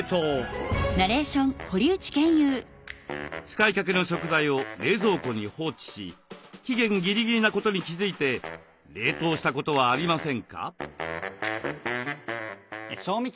使いかけの食材を冷蔵庫に放置し期限ギリギリなことに気付いて冷凍したことはありませんか？